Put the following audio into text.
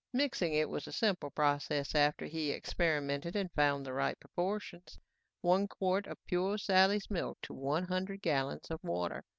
Mixing it was a simple process after he experimented and found the right proportions. One quart of pure Sally's milk to one hundred gallons of water.